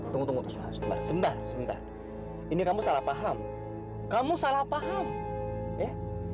tunggu tunggu tunggu sebentar sebentar ini kamu salah paham kamu salah paham ya